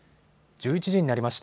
１１時になりました。